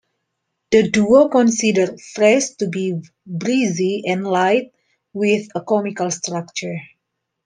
The duo considered "Fresh" to be breezy and light with a comical structure.